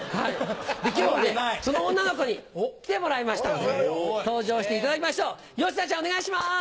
今日はその女の子に来てもらいましたので登場していただきましょうよしなちゃんお願いします。